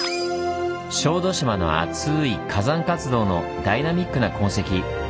小豆島のアツイ火山活動のダイナミックな痕跡。